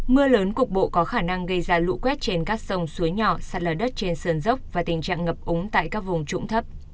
mưa lớn cục bộ có khả năng gây ra lũ quét trên các sông suối nhỏ sạt lở đất trên sườn dốc và tình trạng ngập úng tại các vùng trụng thấp